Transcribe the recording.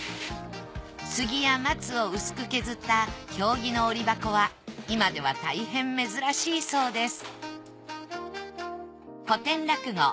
杉や松を薄く削った経木の折箱は今ではたいへん珍しいそうです